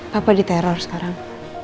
papa diteror sekarang